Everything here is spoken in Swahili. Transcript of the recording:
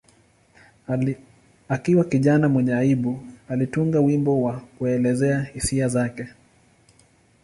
Akiwa kijana mwenye aibu, alitunga wimbo wa kuelezea hisia zake.